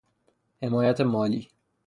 حمایت مالی